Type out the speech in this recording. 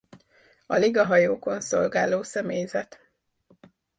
A Liga-hajókon szolgáló személyzet.